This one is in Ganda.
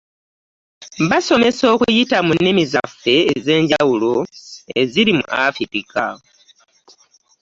Baasomesa okuyita mu nnimi zaffe ez'enjawulo eziri mu Afirika